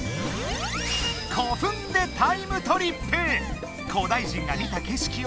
古墳でタイムトリップ！